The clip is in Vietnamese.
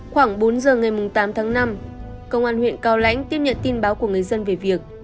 khoảng bốn giờ ngày tám tháng năm công an huyện cao lãnh tiếp nhận tin báo của người dân về việc